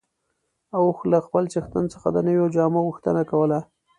اوښ له خپل څښتن څخه د نويو جامو غوښتنه کوله.